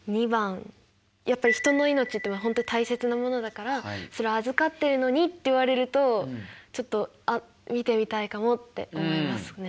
やっぱり人の命っていうのは本当大切なものだからそれ預かってるのにって言われるとちょっとあっ見てみたいかもって思いますね。